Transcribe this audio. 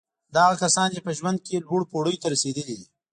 دا هغه کسان دي چې په ژوند کې لوړو پوړیو ته رسېدلي دي